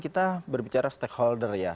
kita berbicara stakeholder ya